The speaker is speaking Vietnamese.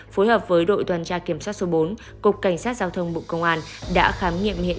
phối hợp với đội toàn tra kiểm soát số bốn cục cảnh sát giao thông bộ công an